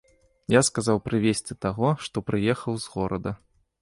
Я сказаў прывесці таго, што прыехаў з горада.